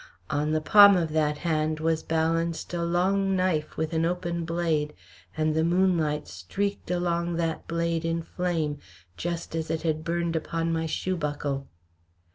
On the palm of that hand was balanced a long knife with an open blade, and the moonlight streaked along that blade in flame, just as it had burned upon my shoe buckle.